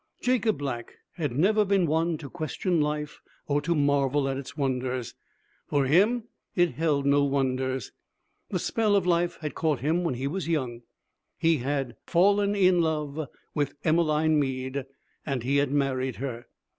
Jacob Black had never been one to question life or to marvel at its wonders. For him, it held no wonders. The spell of life had caught him when he was young. He had 'fallen in love' with Emmeline Mead and he had married her.